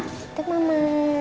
ini kasih ke mama